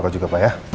apa juga pa ya